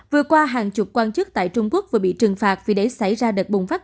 vừa qua hàng chục quan chức tại trung quốc vừa bị trừng phạt vì để xảy ra đợt bùng phát